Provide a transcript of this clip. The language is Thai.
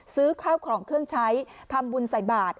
ซื้อข้าวของเครื่องใช้ทำบุญใส่บาท